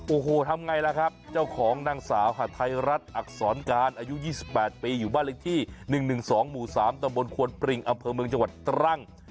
โอ้โหทำไงล่ะครับเจ้าของนางสาวหาดไทยรัฐอักษรการอายุ๒๘ปีอยู่บ้านเลขที่๑๑๒หมู่๓ตำบลควนปริงอำเภอเมืองจังหวัดตรัง